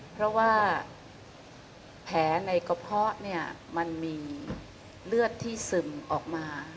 เพราะว่าแผลในกระเพาะเนี่ยมันมีเลือดที่ซึมออกมา